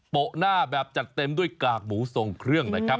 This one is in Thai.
โปะหน้าแบบจัดเต็มด้วยกากหมูทรงเครื่องนะครับ